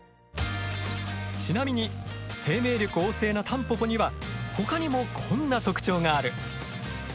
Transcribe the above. ちなみに生命力旺盛なタンポポにはほかにもこんな特徴がある。